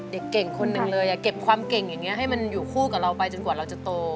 เด็กเก่งคนหนึ่งเลยเก็บความเก่งอย่างนี้ให้มันอยู่คู่กับเราไปจนกว่าเราจะโต